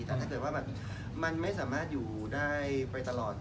แต่ถ้าเกิดว่าแบบมันไม่สามารถอยู่ได้ไปตลอด